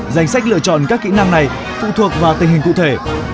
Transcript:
danh sách lựa chọn các kỹ năng này phụ thuộc vào tình hình cụ thể